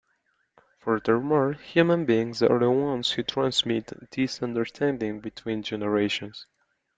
Furthermore, human beings are the ones who transmit this understanding between generations.